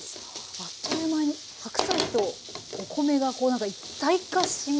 あっという間に白菜とお米がこうなんか一体化しましたね。